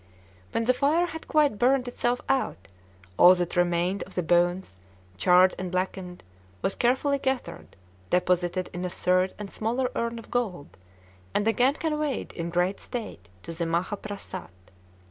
When the fire had quite burned itself out, all that remained of the bones, charred and blackened, was carefully gathered, deposited in a third and smaller urn of gold, and again conveyed in great state to the Maha Phrasat.